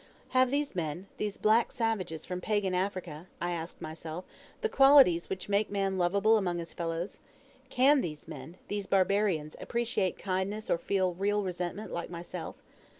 "Have these men these black savages from pagan Africa," I asked myself, "the qualities which make man loveable among his fellows? Can these men these barbarians appreciate kindness or feel resentment like myself?"